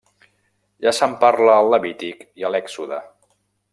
Ja se'n parla al Levític i a l'Èxode.